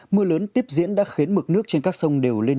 mưa lớn tiếp diễn đã khiến mực nước trên các sông đều lên